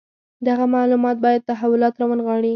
دغه معلومات باید تحولات راونغاړي.